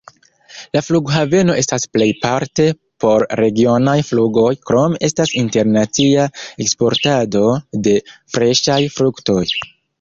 La flughaveno estas plejparte por regionaj flugoj, krome estas internacia eksportado de freŝaj fruktoj.